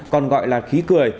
còn gọi là khí cười